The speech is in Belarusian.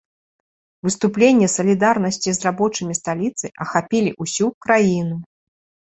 Выступленні салідарнасці з рабочымі сталіцы ахапілі ўсю краіну.